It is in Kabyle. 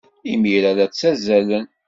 Imir-a, la ttazzalen.